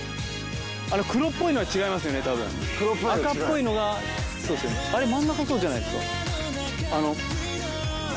あの黒っぽいのは違いますよね多分赤っぽいのがそうですよねあれ真ん中そうじゃないですか？